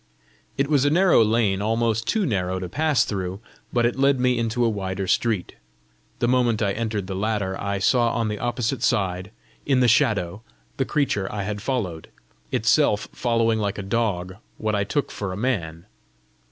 It was a narrow lane, almost too narrow to pass through, but it led me into a wider street. The moment I entered the latter, I saw on the opposite side, in the shadow, the creature I had followed, itself following like a dog what I took for a man.